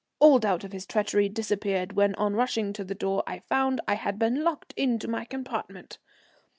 All doubt of his treachery disappeared when on rushing to the door I found I had been locked into my compartment.